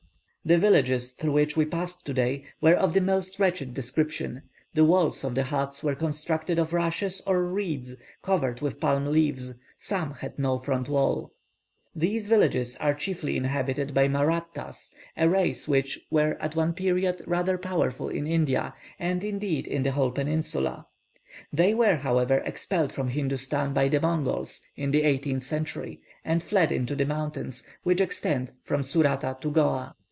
The villages through which we passed today were of the most wretched description; the walls of the huts were constructed of rushes, or reeds, covered with palm leaves; some had no front wall. These villages are chiefly inhabited by Mahrattas, a race which were, at one period, rather powerful in India, and indeed in the whole peninsula. They were, however, expelled from Hindostan by the Mongols, in the eighteenth century, and fled into the mountains which extend from Surata to Goa.